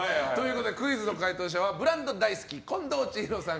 クイズの解答者はブランド大好き近藤千尋さん